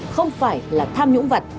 không phải là tham nhũng vật